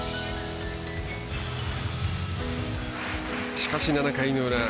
しかし７回の裏。